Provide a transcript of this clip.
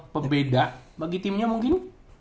pembeda bagi timnya mungkin